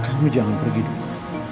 kamu jangan pergi dulu